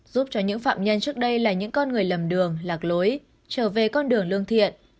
giúp cho những phạm nhân trước đây là những con người lầm đường lạc lối trở về con đường lương thiện